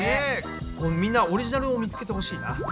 みんなオリジナルを見つけてほしいな。